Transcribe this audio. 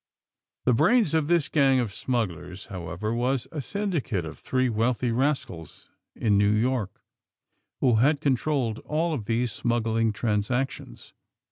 The brains of this gang of smugglers, how ever, was a syndicate of three wealthy rascals in New York, who had controlled all of these smuggling transactions.